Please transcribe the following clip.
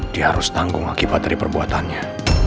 dia harus tanggung akibat dari perbuatannya